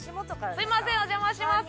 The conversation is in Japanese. すいませんお邪魔します。